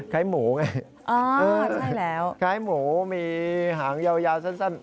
คล้ายหมูไงคล้ายหมูมีหางยาวสั้น